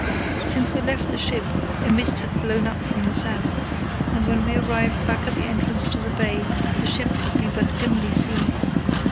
"Since we left the ship a mist had blown up from the south, and when we arrived back at the entrance to the bay the ship could be but dimly seen.